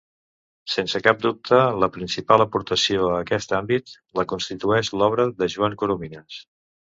Sense cap dubte la principal aportació a aquest àmbit la constitueix l'obra de Joan Coromines.